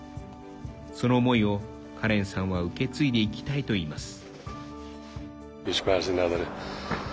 その思いをカレンさんは受け継いでいきたいといいます。